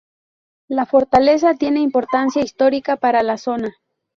La fortaleza tiene importancia histórica para la zona.